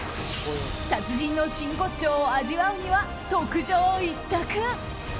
達人の真骨頂を味わうには特上一択。